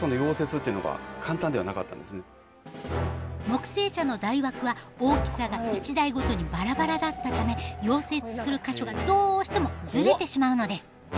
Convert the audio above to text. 木製車の台枠は大きさが１台ごとにバラバラだったため溶接する箇所がどうしてもずれてしまうのです。